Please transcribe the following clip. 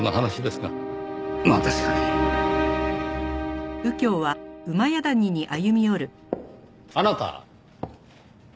まあ確かに。あなた。